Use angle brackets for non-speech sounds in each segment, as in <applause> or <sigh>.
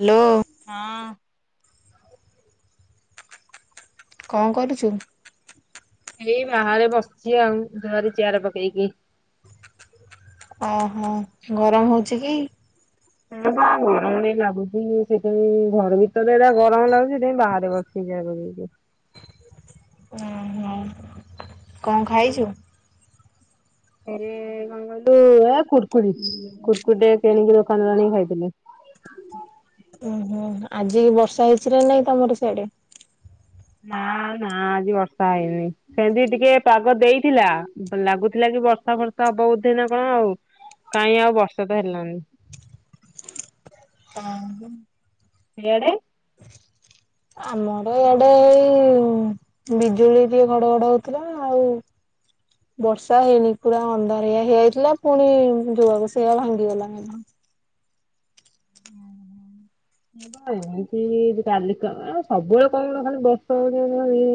Hello ହଁ। କଣ କରୁଚୁ? ଏଇ ବାହାରେ ବସିଛି ଆଉ ଦୁଆରେ ଚିଆର ପକେଇକି। ଓହୋ। ଗରମ ହଉଛି କି? ହଁ ବା ଗରମ ନେଇ ଲାଗୁଛି ସେଇଟା ବି ଘର ଭିତରେ ଏଇରା ଗରମ ଲାଗୁଛି ସିଠେଇଁ ବାହାରେ ବସି <unintelligible> ହ। କଣ ଖାଇଛୁ? କଣ କହିଲୁ ଏ କୁୁରକୁରି କୁୁରକୁରିଟେ କିଣିକି ଦୋକାନରୁ ଆଣିକି ଖାଇଥିଲି। ଉଁ ହୁଁ। ଆଜି ବର୍ଷା ହେଇଛି ନା ନାଇଁ ତମର ସାଡେ? ନାଁ ନାଁ ଆଜି ବର୍ଷା ହେଇନି। ସେନ୍ତି ଟିକେ ପାଗ ଦେଇଥିଲା, ଲାଗୁଥିଲା କି ବର୍ଷ ବର୍ଷା ଫର୍ଷା ହବ ବୋଧେ ନା କଣ ଆଉ? କାହିଁ ଆଉ ବର୍ଷା ତ ହେଲାନି। ଇଆଡ଼େ ଆମର ଇଆଡେ ଏଇ ବିଜୁଳି ଟିକେ ଘଡଘଡ ହଉଥିଲା ଆଉ ବର୍ଷା ହେଇନି ପୁରା ଅନ୍ଧାରିଆ ହେଇଆଇଥିଲା, ପୁଣି ଯୋଆକୁ ସେଇଆ ଭାଙ୍ଗିଗଲା ମେଘ। ଏମିତି କାଲି ସବୁବେଳେ କଣ ଗୋଟେ ଖାଲି ବର୍ଷା ହଉଚି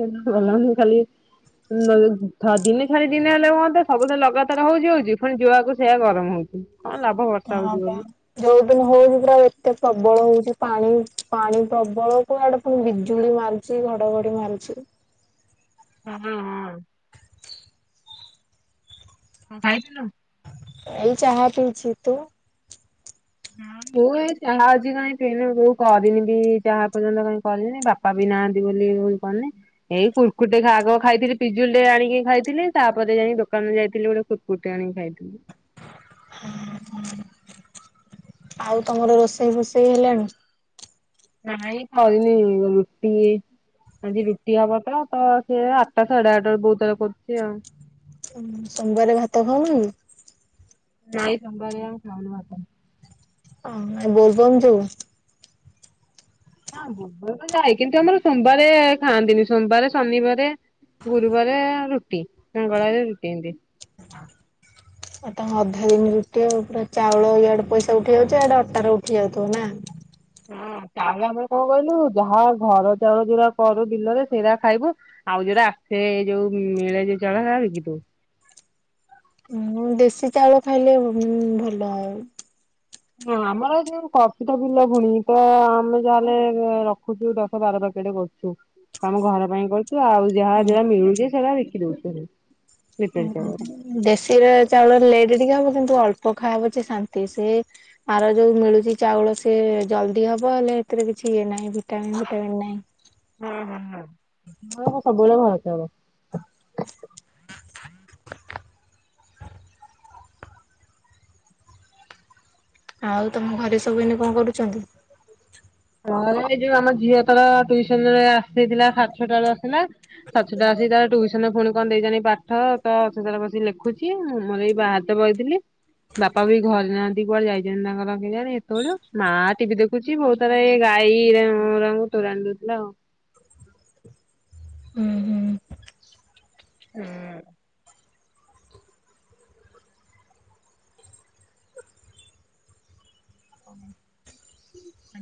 <unintelligible> <unintelligible> ଭଲ ଲାଗୁନି ଖାଲି ଦିନେ ଛାଡି ଦିନେ ହେଲେ ମଧ୍ୟ ସବୁଥର ଲଗାତର ହଉଛି ହଉଛି, ପୁଣି ଯୁଆକୁ ସେଇଆ ଗରମ ହଉଛି। କଣ ଲାଭ ବର୍ଷା ହଁ ହଉଛି ବା। ବୋଲି। ଯୋଉଦିନ ହଉଚି ପୁରା ଏ ପ୍ରବଳ ହଉଛି ପାଣି ପାଣି ପ୍ରବଳକୁ ଆଡେ ପୁଣି ବିଜୁଳି ମାରୁଛି, ଘଡଘଡି ମାରୁଛି। ହ ହଁ ହଁ। କଣ ଖାଇଥିଲୁ? ଏଇ ଚାହା ପିଉଛି। ତୁ? ହ ମୁଁ ଏଇ ଚାହା ଆଜି କାଇଁ ପିଇନି, ବୋଉ କରିନି ବି ଚାହା ଏ ପର୍ଯ୍ୟନ୍ତ କାଇଁ କରିନି, ବାପା ବି ନାହାଁନ୍ତି ବୋଲି ଇଏ ହୋଇ କହନି, ଏଇ କୁରକୁରିଟେ ଆଗ ଖାଇଥିଲି ପିଜୁଳିଟେ ଆଣିକି ଖାଇଥିଲି, ତାପରେ ଯାଇଁକି ଦୋକାନକୁ ଯାଇ ବିଥିଲି ଗୋଟେ କୁରକୁରିଟେ ଆଣିକି ଖାଇଥିଲି। ହଁ ଆଉ ତମର ରୋଷେଇ ଫୋଷେଇ ହେଲାଣି? ନାଇଁ ସରିନି ରୁଟି ଏଇ ଆଜି ରୁଟି ହବ ତ, ତ ସିଏ ଆଠଟା ସାଢେ ଆଠଟା ବେଳେ ବୋଉ ତାର କରୁଛି ଆଉ। ହଁ ସୋମବାରେ ଭାତ ଖାଉନ କି? ନାଇଁ ସୋମବାରିଆ ଖାଉନୁ ଭାତ। ହଁ ଏଇ ବୋଲବମ ଯୋଗୁ? ହଁ ବୋଲବମ୍ ତ ଯାଏ କିନ୍ତୁ ଆମର ସୋମବାରେ ଖାଆନ୍ତିନି। ସୋମବାର, ଶନିବାରେ ଗୁରୁବାରେ ରୁଟି, ମଙ୍ଗଳବାରେ ରୁଟି, ଏମତି। ହ ଆଉ ତମ ଅଧା ଦିନ ରୁଟି ଆଉ ପୁରା ଚାଉଳ ଇଆଡେ ପଇସା ଉଠେଇ ଯାଉଛି, ଆଡେ ଅଟାର ଉଠି ଯାଉଥିବ ନା? ହଁ ଚାଉଳ ଆମର କଣ କହିଲୁ, ଯାହା ଘର ଚାଉଳ ଯୋଉରା କରୁ ବିଲରେ ସେଇରା ଖାଇବୁ, ଆଉ ଯେ ଯେଇରା ଆସେ ଯୋଉ ମିଳେ ଯୋଉ ଚାଉଳ ସେଇରା ବିକି ଦଉ। ହଁ ଦେଶୀ ଚାଉଳ ଖାଇଲେ ଭଲ ଆଉ। ନା ଆମର ଯୋଉ କପିତ ବିଲ ଭୁଣି ତ ଆମେ ଯାହାେଲେ ରଖୁଛୁ ଦଶ ବାର ଦଶ ଟେ କରୁଛୁ ଆମ ଘର ପାଇଁ କରୁଛୁ ଆଉ ଯାହା ଯା ମିଳୁଛେ ସେଟା ଦେଖି ଦଉଛୁ ଲିଟର ଚାଉଳ ଦେଶୀ ର ଚାଉଳ ଲେଟ ଟିକେ ହବ କିନ୍ତୁ ଅଳ୍ପ ପଖାହବ ଯେ ଶାନ୍ତି ସେ ଆର ଯୋଉ ମିଳୁଛି ଚାଉଳ ସେ ଜଲଦି ହବ ହେଲେ ଏଥିରେ କିଛି ଇଏ ନାଇ ଭିଟାମିନ ଭିଟାମନ୍ ନାଇଁ। ସବୁବେଳେ ଭଲ କେ ହବ <inaudible> ଆଉ ତମ ଘରେ ସବୁ ଏଇନେ କଣ କରୁଛନ୍ତି? ଏଇ ଯୋଉ ଆମ ଝିଅ ତର ଟୁସନ ରେ ଆସିଥିଲା ସାଛଅ ଟାର ଆସଥିଲା ସାଛଟା ସେ ତାର ଟୁସନ ପୁଣି କଣ ଦେଇ ଜାଣି ପାଠ ତ ସେ ତାର ବସି ଲେଖୁଛି ମୁଁ ମୋର ଏଇ ବାହାରେ ତ ବଇଥିଲି। ବାପା ବି ଘରେ ନାହାନ୍ତି କୁଆଡେ ଯାଇଛନ୍ତି ତାଙ୍କ କେଜାଣି ଏତେବେଳୁ ମା ଟିଭି ଦେଖୁଛି ବୋଉ ତାର ଏ ଗାଈ ର ରଙ୍ଗ ତୁରାଣି ଦଉଥିଲା। ହୁଁ ହୁଁ ହୁଁ।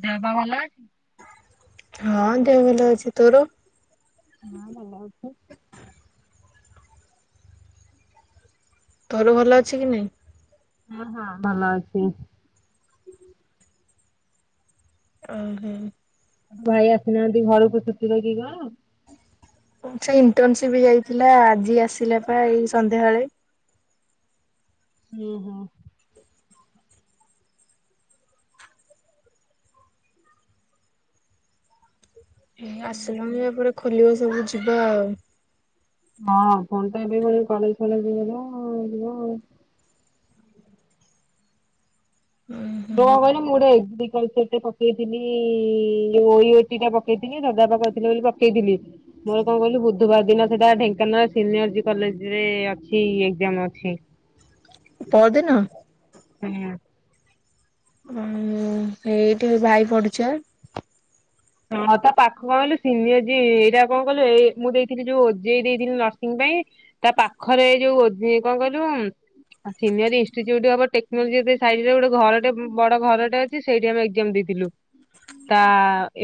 ଦେହ ପା ଭଲ ଅଛି। ହଁ ଦେହ ଭଲ ଅଛି ତୋର। ହଁ ଭଲ ଅଛି। ତୋର ଭଲ ଅଛି କି ନାହିଁ। ହଁ ହଁ ଭଲ ଅଛି। ଓହୋ। ଭାଇ ଆସିନାହାନ୍ତି ଘରକୁ ଛୁଟିରେ କି କଣ? ସେ ଇଣ୍ଟର୍ନସିପ୍ ଯାଇଥିଲା ଆଜି ଆସିଲା ପା ଏଇ ସନ୍ଧ୍ୟାବେଳେ। ଓ ହୋ ଏ ଆସିବନି ଏପଟେ ଖୋଲିବ ସବୁ ଯିବା ଆଉ। ହଁ ଫୋନ୍ ଟା ଏବେ ଭଳି <inaudible> ଉଁ ହୁଁ। ମୁଁ କହିଲ ମୁଁ ଗୋଟେ ଏଗ୍ରିକଲ୍ଚର ଟେ ପକେଇଥିଲି ଯୋଉ ଓୟୋଟି ଟା ପକେଇଥିଲି ଭ ବାବା କହିଥିଲେ ବୋଲି ପକେଇଥିଲି। ମୋର କଣ କହିଲୁ ବୁଧବାର ଦିନ ସେଟା ଢେଙ୍କାନାଳ ସିନିୟର କଲେଜ ରେ ଅଛି ଏକ୍ସାମ୍ ଅଛି ପଅରଦିନ। ହୁଁ। ହଁ ସେଇଠି ଭାଇ ପଡୁଛି ପା ହଁ ତା ପାଖ କହିଲୁ ସିନିୟର୍ଜି ଏଇଟା କଣ କହିଲୁ ଏଇ ମୁଁ ଦେଇଥିଲି ଯୋଉ ଓଜେଇ ଦେଇଥିଲି ନରସିଂ ପାଇଁ। ତା ପାଖରେ ଏଇ ଯୋଉ କଣ କହିଲୁ। ସିନୀୟର୍ଜି ଇନ୍ଷ୍ଟିଚିଉଡ ଅଫ ଟେକ୍ନୋଲୋଜି ସାଇଡ୍ ରେ ଗୋଟେ ଘର ଟେ ବଡ ଘରଟେ ଅଛି ସେଇଠି ଆମେ ଏକ୍ସାମ ଦେଇଥିଲୁ। ଥିଲୁ ତା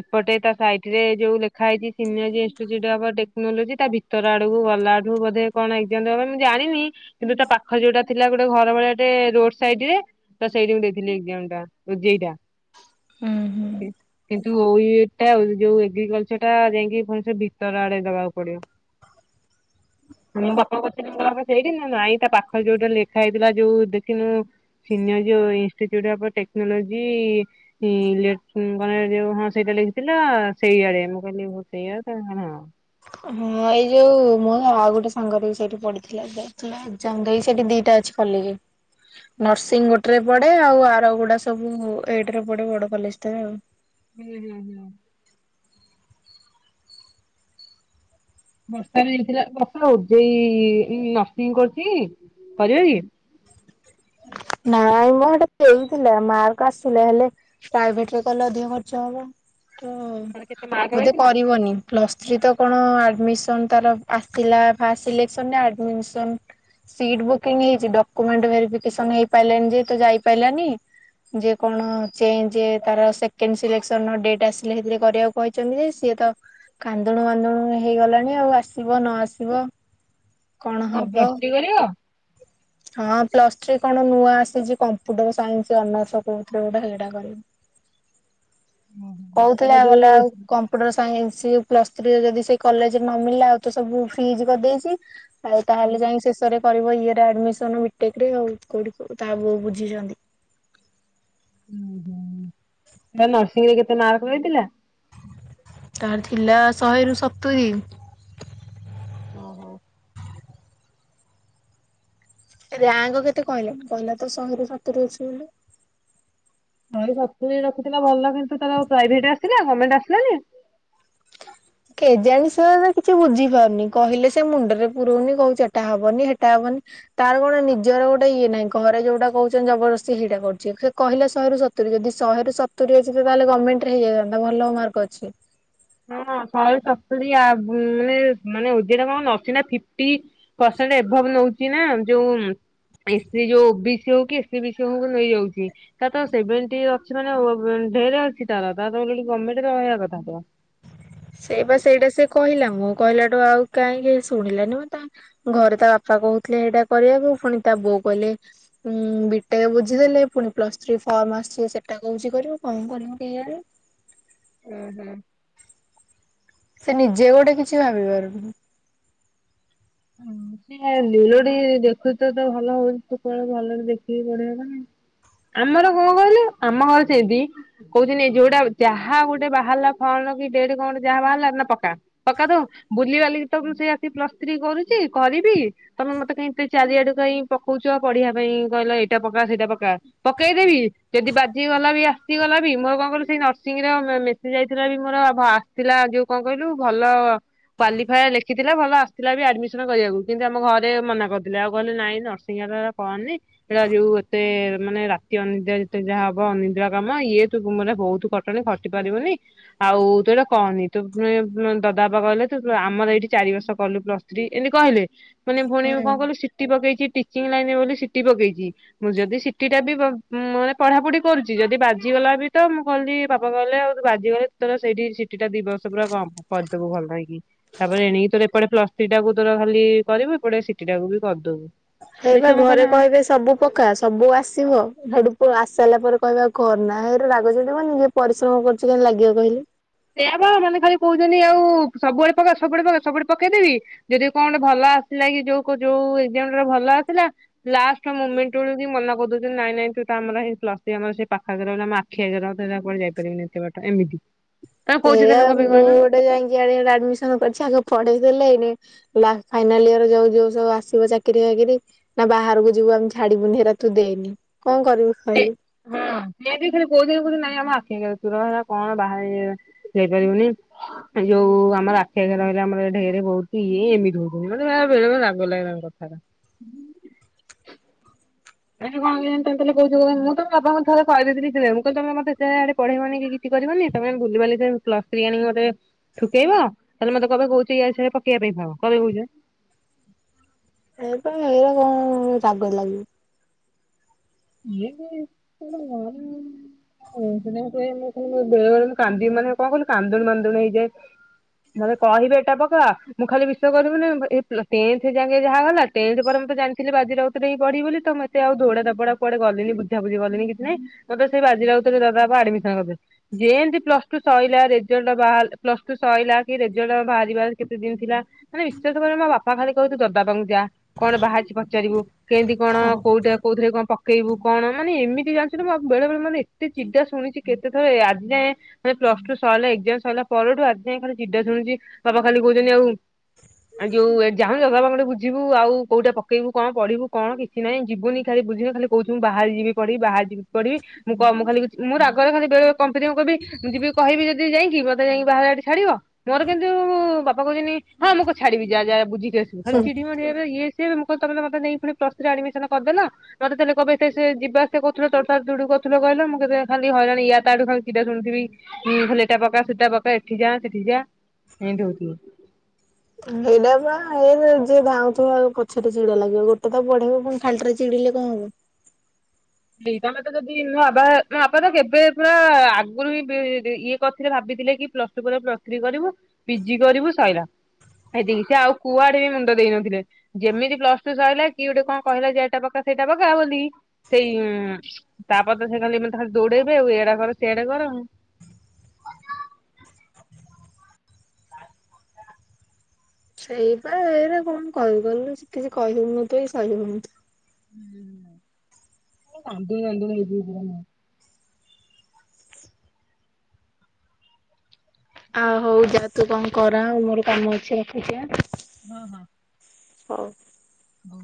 ଏପଟେ ତା ସାଇଟ ରେ ଯୋଉ ଲେଖା ହେଇଛି ସିନି ଇଟିଚୁଟ୍ ଟେକ୍ନୋଲୋଜି ତା ଭିତର ଆଡକୁ ଗଲା ତାଠୁ ବଧ କଣ ଏକଜାମ୍ ଦବା ପାଇଁ ମୁଁ ଜାଣିନି କିନ୍ତୁ ତା ପାଖ ଯଉଟା ଥିଲା ଗୋଟେ ଘର ଭଳିଆ ଟେ ରୋଡ ସାଇଡ ରେ ତ ସେଇଠିକୁ ଦେଇଥିଲି ଏକଜାମ ଟା ଓଜେଇ ଟା <inaudible> ହୁଁ। <inaudible> ନ୍ତୁ ଓୟୋଟି ଟା ଯୋଉ ଏଗ୍ରିକଲଚର ଟା ଯାଇକି ଭ୍ବନେଶ୍ୱର ଭିତର ଆଡେ ଦବାକୁ ପଡିବ। <inaudible> ମୁଁ ବାପାକୁ ପଚାରିଲି ମୁଁ କହିଲି ବାପା ସେଇଠି ନା ନାଇଁ ତା ପାଖରେ ଯୋଉଟା ଲେଖା ହେଇଥିଲା ଯୋଉ ଦେଖିନୁ। ସିନିୟର୍ଜି ଇନ୍ଷ୍ଟିଚିଉଡ୍ ଅଫ୍ ଟେକ୍ନୋଲୋଜି ମାନେ ଯଉ ହଁ ସେଇଟା ଲେଖିଥିଲା ସେଇଆଡେ ମୁଁ କହିଲି ହ ସେଇଆ ତାହେଲେ ହଁ ହଁ ଏଇ ଯୋଉ ମୁଁ ଆଉ ଗୋଟେ ସାଙ୍ଗରେ ସେଠି ପଢଥିଲା ଯାଇଥିଲା ଏ ସେଠି ଦିଟା ଅଛି କଲେଜ୍ ନର୍ସିଂ ଗୋଟେରେ ପଡେ ଆଉ ଆର ଗୁଡା ସବୁ ଏଇଟରେ ପଡେ ବଡ଼ କଲେଜଟାରେ ଆଉ ହୁଁ ହୁଁ ହୁଁ। ବର୍ଷା ଦେଇଥିଲା ବର୍ଷା ଓଜେଇ ନର୍ସିଂ କରୁଛି କରିବକି? <inaudible> ନାଇଁ ମ ସେଟା ଦେଇଥିଲା ମାର୍କ ଆସିଲା ହେଲେ ପ୍ରାଇଭେଟରେ କଲେ ଅଧିକ ଖର୍ଚ୍ଚ ହବ। ତାର କେତେ ମାର୍କ ତ ବୋଧେ ରହିଥିଲା କରିବନି। ପ୍ଳସ୍ ଥ୍ରୀ ତ କଣ ଆଡ଼ମିସନ୍ ତାର ଆସିଲା ଫାଷ୍ଟ ସିଲେକ୍ସନରେ ଆଡମିସନ୍ ସିଟ୍ ବୁକିଂ ହେଇଛି ଡକୁମେଣ୍ଟ ଭେଫିକେସଇ ପାଇାନି ଯେ ତ ଯାଇ ପାରିଲାନି ଯେ କଣ? ତାର ସେକେଣ୍ଡ ସିଲେକ୍ସନ ଡଟ୍ ଆସିଲେ ସେଥିରେ କରିବାକୁ କହିଛନ୍ତି ଯେ ସିଏ ତ କାନ୍ଦୁଣୁନ୍ଦୁଣୁ ହେଇଗଲାଣି ଆଉ ଆସିବ ନ ଆସିବ? କଣ ହଁ ହବ ପ୍ଲସ୍ କରିବ। ହଁ ପ୍ଲସ୍ ଥ୍ରୀ କ କଣ ନୂଆ ଆସିଛି କମ୍ପୁଟର ସାଇନ୍ସ ଅନର୍ସ କୋଉଥିଲେ ଗୋଟେ ଏଇଟା କରିବୁ। କହୁଥିଲେ ତାର ଯୋଉ ଗଲେ ଆଉ କମ୍ପୁଟର ସାଙ୍ଗ ସ ପ୍ଲସ ଥ୍ରୀ ଯଦି ସେ କଲେଜରେ ନ ମିଳିଲା ଆଉ ତ ସବୁ ଫ୍ରିଜ କରିଦେଇଛି। ଆଉ ତାହେଲେ ଯାଇ ଶେଷରେ କରିବ ଇଏମିନ ବିଟେ ରେ ହଉ। କୋଉଠିକୁ ତା ବୁଅ ବୁଝିଛନ୍ତି। ଉ ତା ନରସିଂ ରେ କେତେ ମାରକ ରହିଥିଲା? ତାର ଥିଲା ଶହେରୁ ସତୁୁରୀ ଓ ହୋ। ରାଙ୍କ କେତେ କହିଲେ କହିଲା ତ ଶହେରୁ ସାତରୁ ଅଛି ବୋଲି। ଶହେରୁ ସତୁରୀ ରଖଥିଲା ଭଲ କିନ୍ତୁ ତାର ପ୍ରଭେଟ ଆସିଲା ଗମେଟ ଆସିଲାନି? କେଜାଣିଷ କିଛି ବୁଝି ପାରୁନି କହିଲେ ସେ ମୁଣ୍ଡରେ ପୁରଉନି କହୁଛି, ଏଟା ହବନି ହେଟା ହବନି, ତାର କଣ ନିଜର ଗୋଟେ ଇଏ ନାହିଁ ଘରେ ଯୋଉଟା କହୁ ଜବରଦସ୍ତି ସେଇଟା କରୁଛି ସେ କହା ଶହରୁ ଯଦି ଶହେରୁ ସତୁରି ଅଛି, ତାହଲେ ଗଭର୍ଣ୍ଣମେଣ୍ଟରେ ହେଇଯାଇଥାନ୍ତା ଭଲ ମାର୍କ ଅଛି। ହଁ ଶହେରୁ ସତୁରି ମାନେ ମାନେଟା କଣ ଅସିନା ଏଭବ ନଉଛି ନା ଯୋଉ ଵି ସି ଯୋଉ ଓ ବି ସି ହଉ କି ଏ ସ ବି ସି ହଉ ନେଇଯାଉଛି, ତା ତ ସେଭେଣ୍ଟି ଅଛି ମାନେ ଢ଼େରେ ଅଛି ତାର ତା ଗମେଣ୍ଟରେ ରହିବା କଥା ତ? ସେଇ ବା ସେଇଟା ସେ କହିଲା ମୁଁ କହିଲାଠୁ ଆଉ କାହିଁକି ଶୁଣିଲାନି ମ ତା ଘରେ ତା ବାପା କହୁଥିଲେ ଏଇଟା କରିବାକୁ ପୁଣି ତା ବୋଉ କଟା ବୁଝିଲେ ପୁଣି ପ୍ଲସ୍ ଥ ଫର୍ମ ଆସ ସେଟା କଛି କଣ? ଆ କେ <inaudible> ହମ୍ଁ ହୁଁ <inaudible> ସେ ନିଜେ ଗୋଟେ କିଛି ଭାବି ପାରୁନି। ହଁ ସେ ଲିଲୋଡି ଦେଖୁଛ ତ ଭଲ ହଉନି ତୁ କଣ ଭଲରେ ଦେଖିକି ପଢିବ ନା <inaudible> ଆମର କଣ କହିଲୁ ଆମ ଘର ସେମତି କହୁଛନ୍ତି, ଯୋଉଟା ଯାହା ଗୋଟେ ବାହାରିଲା ଫଳ ଢ କଣ ଯାହା ବାହାରିଲ ନା ପକା ପକା ଦ ବୁଲିବାଲି ତ ସେ ଆସ ପ୍ଲସଥ୍ରଇ କରୁଛି କରିବି ତମେ ମତେ କାଇ ଚାରିଆଡୁ କାଇଁ ପକଉଛ ପଢିବା ପାଇଁ କହିଲ ଏଇଟା ପକା ସେଇଟା ପକା ପକେଇଦେବି ଯଦି ବାଜି ଗଲା ବି ଆସିଗଲା ବି ମୋର କଣ କିଲ ସେଇ ନର୍ସିଂରେ ମେସି ଯାଇଥିଲା ମୋର ଆସିଥିଲା ଯୋଉ କଣ କହିଲୁ ଭଲ କାଲିଫାଏ ଲେଖିଥିଲା ଭଲ ଆସିଥିଲା ବି କରିବାକୁ କିନ୍ତୁ ଆମ ଘରେ ମନା କରିଥିଲେ, ଆଉ କହିଲେ ନାଇଁ ନରସିଂହ କହନି ସେଟା ଯୋଉ ଏତେ ମାନେ ରାତି ଅନିଦ୍ରା ଯେତେ ଯାହା ହବ ଅନିଦ୍ରିା କାମ ଇଏ, ତୁ ମାନେ ବହୁତ କଟଣ ଖଟି ପାରିବୁନି ଆଉ ତୁ ଏଇଟା କହନି ତୁ ଦଦା ବାବା କହିଲେ ତୁ ଆମର ଏଇଠି ଚାରି ବର୍ଷ କଲୁ ପ୍ଲସ୍ ତ୍ରୀ ଏମିତି କହିଲେ ମାନେ ଭଉଣ ହୁଁ। କଣ କିଲୁ ସିଟି ପକେଇଛି ଟିଚିଂ ଲାଇନ ବୋଲି ସିଟି ପକେଇଛି ମୁଁ ଯଦି ସିଟି ଟା ବି ମାନେ ପଢାପଢି କରୁଛି ଯଦି ବାଜି ଗଲା ବି ତ ମୁଁ କହିଲି ବାପା କହିଲେ ଆଉୁ ବାଜିଗଲେ ତୋ ସେଇଠିଟିଟା ଦି ବର୍ଷ ପୁରା କ କରିଦବୁ ଭଲ। ତାପରେ ଏଣିକି ତୋ ଏପେ ପା ତୋର ଖାଲି କରିବୁ ଏପଟେ ସି ଟାକୁ ବି କରିଦବୁ। ଏଇ ବା ଦେଖିବା ମୁଁ ଘରେ କହିଲି ହଁ କହିବେ ସବୁ ପକା ସବୁ ଆସିବ ସାରିଲା ପରେ କହିବାଉ ଘର ନା ହେଇ ରାଗ ଚ କ ଯି ପରିଶ୍ରମ କରୁ କ କେହି ଲାଗିବ କହିଲୁ? ସେଆ ବା ମାନେ ଖାଲି କହୁଛନ୍ତି, ଆଉ ସବୁଆଡେ ପକା ସବୁବେ ସବୁଡେ ପକେଇଦେବି ଯଦି କଣେ ଭଲ ଆସା କି ଯୋଉ ଯୋଉ ଭଲ ଆସ ଲାଷ୍ଟେଣ୍ଟ ମନ କରିଉଛନ୍ତି ନାଇଁ ନାଇ କି ଆମରଇ ପ୍ଲର ସେ ପାଖରେ ଆମ ଆଖି ଆଗରେଆଡେ ଯାଇପାରିବିନି ଏତ ବାଟ ଏମିତି ତମେ କହୁଛ ସେଇଆ ତାହେଲେ କଣ ପାଇଁ ମୁଁ କହିଲ ଗୋଟେ ଯାଇକି ଆଡେ ଗୋଟେ ଆଡମିସନ କରିଛି ଆଗ ପଢେଇ ଦେଲେ। ଲେ ନା ଫାଇନାଲ ଇଅର ଯୋଉ ଯୋଉ ସବୁ ଆସିବ ଚାକିରି ବାକିରି ଆ ବାହାରକୁ ଯିବୁ ଆମେ ଛାଡିବୁନି। ସେରା ତୁ ଦେଏନି କଣ କରିବୁ କହିଲୁ। ହଁ ସେ ବି ଖାଲି କହୁଚନ୍ତି କହୁଚନ୍ତି ନାଇଁ ଆମ ଆଖି ଆଗରେ ତୁ ରହ ଆ କଣ ବାହାରେ ଯାଇପାରିବୁନି। ଯୋଉ ଆମର ଆଖି ଆଗେରେ ରହିଲେ ଆମର ଢେରେ ବହୁତ ଇଏ ଏମିତି ହଉଚନ୍ତି ମାନେ ବେଳେବେଳେ ରାଗ ଲାଗେ ତାଙ୍କ କଥାଟା। ହୁଁ। <unintelligible> ଏ ଯୋଉ କଣ କହିଲେ ସେମତି ହେଲେ କୋଉ ଯୁଗ <unintelligible> ମୁଁ ତ ମୋ ବାପାଙ୍କୁ ଥରେ କହିଦେଇଥିଲି କ୍ଲିଅର ମୁଁ କହିଲି ତମେ ମତେ ସେ ଆଡେ ପଢେଇବନି କି କିଛି କରିବନି ତମେ ବୁଲି ବାଲି ସେ ପ୍ଲସ ଥ୍ରୀ ଆଣିକି ମୋତେ ଠୁକେଇବ ତାହେଲେ ମତେ କହିବ କହୁଚି ଇଏ ସିଏ ପକେଇଆ ପାଇଁ। ହଁ କରିବେ କହୁଚନ୍ତି। ଏଇପା ଏଇରା କଣ ରାଗ ଲାଗେ। ଇଏବେ କଣ <unintelligible> କହୁ ଥିଲେ ମତେ ମୁଁ କଣ କୁହେ ବେଳେ ବେଳେ ମୁଁ କାନ୍ଦିବି ମାନେ କଣ କହିଲୁ କାନ୍ଦୁଣି ମାନ୍ଦୁଣି ହେଇଯାଏ। ମତେ କହିବେ ଏଇଟା ପକା ମୁଁ ଖାଲି ବିଶ୍ବାସ କରିବୁନି ଏ ପ୍ଲ ଟେନ୍ଥ ଯାଏକେ ଯାହା ହେଲା ଟେନ୍ଥ ପରେ ମୁଁ ତ ଜାଣିଥିଲେ ବାଜି ରାଉତରେ ହିଁ ପଢିବି ବୋଲି ତ ମୁଁ ଏତେ ଆଉ ଦୌଡ଼ା ଧାପୋଡ଼ା କୁଆଡେ ଗଲିନି ବୁଝା ବୁଝି କଲିନି କିଛି ନାହିଁ। ମତେ ସେଇ ବାଜିରାଉତ ରେ ଦାଦା ବା ଆଡିମିସନ କରିଦେଲେ। ଯେମତି ପ୍ଲସ ଟୁ ସଇଲା ରେଜଲ୍ଟ ବାହାଲ ପ୍ଲସ୍ ଟୁ ସଇଲା କି ରେଜଲ୍ଟ ବାହାରିବା କେତେ ଦିନି ଥିଲା ମାନେ ବିଶ୍ୱାସ କର ମୋ ବାପା ଖାଲି କହିବେ ତୁ ଜ <unintelligible> ଯାଆ କଣ ବାହାରିଛି ପଚାରିବୁ କେମତି କଣ କୋଉଟା କୋଉଥିରେ କଣ ପ କେଇବୁ କଣ ମାନେ ଏମିତି ଜାଣିଛୁ ତ ମୋ ବା ବେଳେ ବେଳେ ମାନେ ଏତେ ଚିଡା ଶୁଣିଛି କେତେ ଥରେ ଏ ଆଜି ଯାଏଁ ମାନେ ପ୍ଲସ୍ ଟୁ ସରିଲା ଏକ୍ଜାମ ସଇଲା ପରଠୁ ଆଜି ଯାଏଁ ଖାଲିି ଚିଡା ଶୁଣୁଛି ବାବା ଖାଲି କହୁଛନ୍ତି ଆଉ ଆଉ ଯୋଉ ଏ ଯାଉନୁ ଜଗ ବାବାଙ୍କ ଠୁ ବୁଝିବୁ ଆଉ କୋଉଟା ପକେଇବୁ କଣ ପଢିବୁ କଣ କିଛି ନାଇଁ ଯିବୁନି ଖାଲି ବୁଝିବୁ ଖାଲି କହୁଚୁ ମୁଁ ବାହାରେ ଯିବି ପଢିବି ବାହାର ଯିବି ପଢିବି ମୁଁ କଣ ମୁଁ ଖାଲି କହୁଛି ମୁଁ ରାଗରେ ଖାଲି ବେଳେ ବେଳେ କମ୍ପିଟିବି କହିବି ମୁଁ ଯିବି କହିବି ଯଦି ଯାଇକି ମତେ ଯାଇକି ବାହାର ଆଡେ ଛାଡିବ ମୋର କିନ୍ତୁ ବାପା କହୁଛନ୍ତିି ହଁ ମୁଁ କ ଛାଡିବି ଯାଆ ଯାଆ ବୁଝିକି କି ଆସିବୁ ଖାଲି ଚିଡିି ମୋଡ଼ି ହେବେ ଇଏ ସିଏ ହେବେ ମୁଁ କହିବି ତମେ ତ ମତେ ନେଇକି ପୁଣି ପ୍ଲସ ଥ୍ରୀ ଆଡିମିସନ କରିଦେଲ ମୋତେ ତାହାଲେ କହିବେ ତ ସିଏ ଯିବା ଆସିଆ କହୁଥିଲେ ତୋର ତାର ଡୁଡୁ କରୁଥିଲ କହିଲ ମୁଁ କହିଲେ ଖାଲି ହଇରାଣ ୟା ତା ଆଡୁ ଖାଲି ଚିଡା ଶୁଣୁଥିବି। ହୁଁ ଖାଲି ଏଇଟା ପକା ସେଇଟା ପକା ଏଠି ଯାଆ ସେଠି ଯାଆ। ହୁଁ ସେଇଟା ବା। ଏ ସେ ଯିଏ ଧାାଉଁଥିବ ଆଉ ପଛରେ ଚିଡା ଲାଗିବ ଗୋଟେ ତ ପଢେଇବ ପୁଣି ଖାଲି ଟାରେ ଚିଡିଲେ କଣ ହବ। ଦେଇ ତମେ ତ ଯଦି ମୋ ବାବା ମୋ ବାପା ତ କେବେ ପୁରା ଆଗୁରୁ ହିଁ ବି ଦି ଇଏ କରିଥିଲେ ଭାବିଥିଲେ କେଇକି ପ୍ଲସ୍ ଟୁ ପରେ ପ୍ଲସ ଥ୍ରୀ କରିବୁ ପି ଜି କରିବୁ ସଇଲା। ହେତିକି ସେ ଆଉ କୁଆଡେ ବି ମୁଣ୍ଡ ଦେଇନଥିଲେ ଯେମିତି ପ୍ଲସ ଟୁ ସଇଲା କିଏ ଗୋଟେ କଣ କହିଲା ଯେ ଏଇଟା ପକା ସେଇଟା ପକା ବୋଲି ସେଇ ଉଁ ତାପରେ ତ ସେ ଖାଲି ମାନେ ତ ଖାଲି ଦୌଡେଇବେ ଆଉ ଏଇ ଆଡା କର ସେଆଡା କର ଆଉ। ସେଇବା ଏଇରେ କଣ କହିବୁ କହିଲୁ ସେ କିଛି କହି ହଉ ନଥିବ କି ସହି ହଉ ନ ଥିବ। ହୁଁ <inaudible> କାନ୍ଦୁଣି ବାନ୍ଦୁଣି ହେଇଯିବୁ <unintelligible> ଆଉ ହଉ ଯାଆ ତୁ କଣ କର ଆଉ ମୋର କାମ ଅଛି ରଖୁଛି ଏଁ। ହଁ ହଁ। ହଉ। ହଉ।